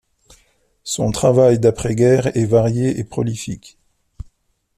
Son travail d'après-guerre est varié et prolifique.